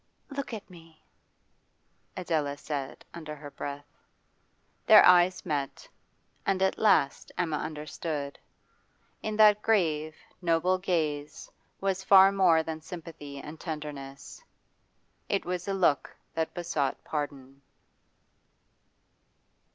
'Look at me,' Adela said, under her breath. Their eyes met, and at last Emma understood. In that grave, noble gaze was far more than sympathy and tenderness; it was a look that besought pardon.